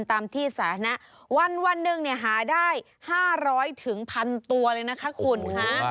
ตามที่สาธารณะวันหนึ่งหาได้๕๐๐๑๐๐ตัวเลยนะคะคุณค่ะ